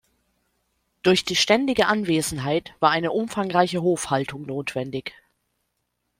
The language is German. Durch die ständige Anwesenheit war eine Umfangreiche Hofhaltung notwendig.